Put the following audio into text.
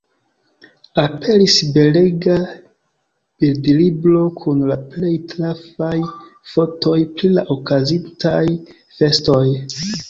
Aperis belega bildlibro kun la plej trafaj fotoj pri la okazintaj festoj.